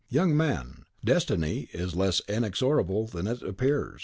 Young man, Destiny is less inexorable than it appears.